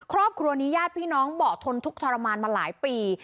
ครอบครัวนี้ญาติพี่น้องบอกทนทุกข์ทรมานมาหลายปี